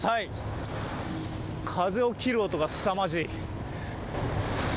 風を切る音がすさまじい。